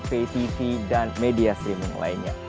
pay tv dan media streaming lainnya